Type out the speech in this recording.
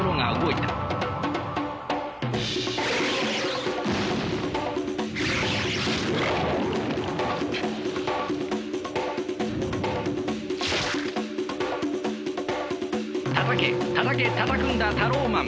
たたけたたけたたくんだタローマン！